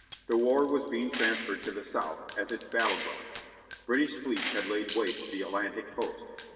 The war was being transferred to the South, as its battle ground. British fleets had laid waste the Atlantic coast.